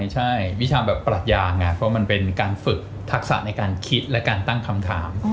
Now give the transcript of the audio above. ใช่วิชาแบบปรัชญาไงเพราะมันเป็นการฝึกทักษะในการคิดและการตั้งคำถาม